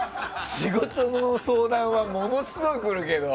仕事の相談はものすごいくるけど。